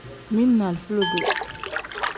Mili ni alifa lodo.